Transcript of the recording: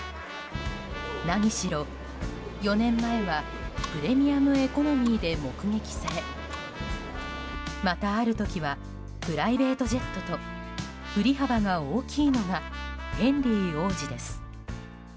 何しろ、４年前はプレミアムエコノミーで目撃され、またある時はプライベートジェットと振り幅が大きいのがヘンリー王子です。